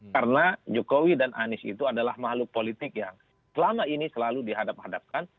karena jokowi dan anies itu adalah makhluk politik yang selama ini selalu dihadap hadapkan